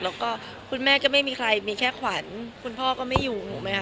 แล้วก็คุณแม่ก็ไม่มีใครมีแค่ขวัญคุณพ่อก็ไม่อยู่ถูกไหมคะ